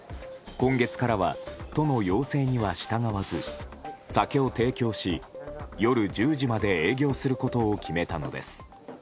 今月からは都の要請には従わず酒を提供し夜１０時まで営業することを決めたのです。